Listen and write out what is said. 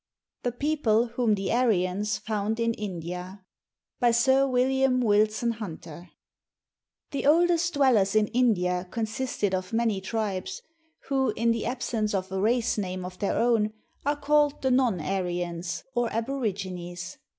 THE PEOPLE WHOM THE ARYANS FOUND IN INDIA BY SIR WILLIAM WILSON HUNTER The oldest dwellers in India consisted of many tribes, who, in the absence of a race name of their own, are called the non Aryans or Aborigines.